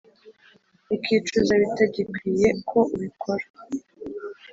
ukicuza bitagikwiye ko ubikora